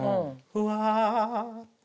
うわ！